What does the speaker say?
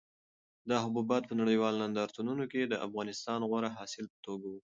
دا حبوبات په نړیوالو نندارتونونو کې د افغانستان د غوره حاصل په توګه وو.